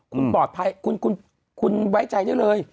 คุณปลอดภัยคุณไว้ใจได้เลย